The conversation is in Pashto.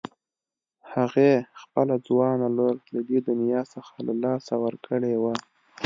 هغې خپله ځوانه لور له دې دنيا څخه له لاسه ورکړې وه.